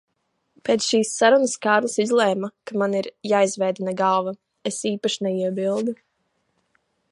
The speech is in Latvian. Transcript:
Pēc šīs sarunas Kārlis izlēma, ka man ir jāizvēdina galva. Es īpaši neiebildu.